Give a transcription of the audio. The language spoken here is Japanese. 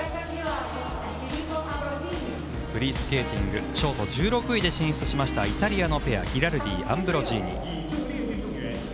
フリースケーティングショート１６位で進出しましたイタリアのペアギラルディ、アンブロジーニ。